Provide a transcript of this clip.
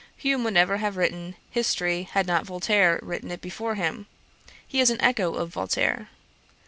Hume would never have written History, had not Voltaire written it before him. He is an echo of Voltaire.'